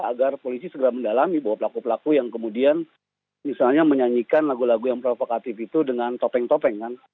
agar polisi segera mendalami bahwa pelaku pelaku yang kemudian misalnya menyanyikan lagu lagu yang provokatif itu dengan topeng topeng kan